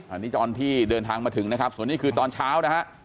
อันนี้ตอนที่เดินทางมาถึงนะครับส่วนนี้คือตอนเช้านะฮะ